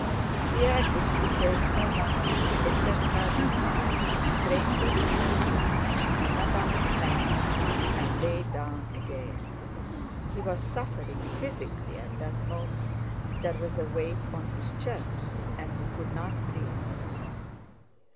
Pierre wished to say something, looked at her with eyes whose strange expression she did not understand, and lay down again. He was suffering physically at that moment, there was a weight on his chest and he could not breathe.